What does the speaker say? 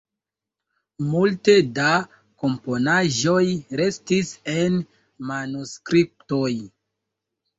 Multe da komponaĵoj restis en manuskriptoj.